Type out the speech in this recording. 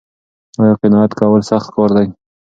ایا قناعت کول سخت کار دی؟